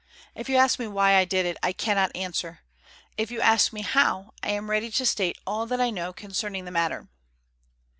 "If you ask me why I did it, I cannot answer; if you ask me how, I am ready to state all that I know concerning the matter."